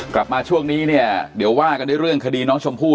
กลับมาช่วงนี้เนี่ยเดี๋ยวว่ากันด้วยเรื่องคดีน้องชมพู่